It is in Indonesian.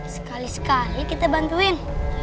sekali sekali kita bantuin